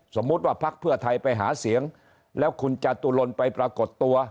สมมุติว่าพักเพื่อไทยไปหาเสียงแล้วคุณจตุรนไปปรากฏตัว